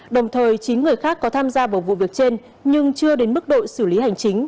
đồng thời chín người khác có tham gia vào vụ việc trên nhưng chưa đến mức độ xử lý hành chính